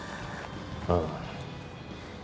ああ。